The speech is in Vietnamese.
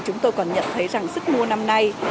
chúng tôi còn nhận thấy rằng sức mua năm nay